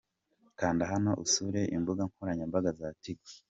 Kanda hano usure imbuga nkoranyambaga za Tigo :.